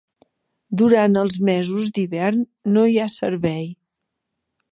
Durant els mesos d'hivern no hi ha servei.